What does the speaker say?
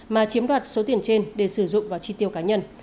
mà chiếm đoạt số tiền trên để sử dụng vào chi tiêu cá nhân